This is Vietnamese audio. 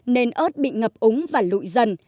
nên ớt bị ngập úng và lụi dần